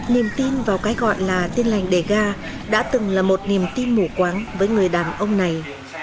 niềm tin vào cái gọi là tin lành đề ga đã từng là một niềm tin mù quáng với người đàn ông này